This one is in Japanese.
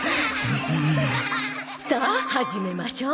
さあ始めましょう。